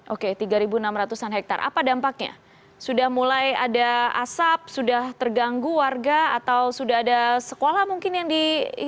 oke tiga enam ratus an hektare apa dampaknya sudah mulai ada asap sudah terganggu warga atau sudah ada sekolah mungkin yang di